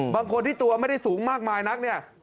บางคนที่ตัวไม่ได้สูงมากมายนักเนี่ย